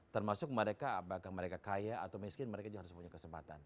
termasuk mereka apakah mereka kaya atau miskin mereka juga harus punya kesempatan